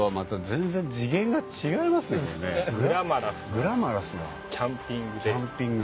グラマラスなキャンピング。